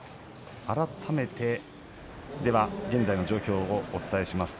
改めて現在の状況をお伝えします。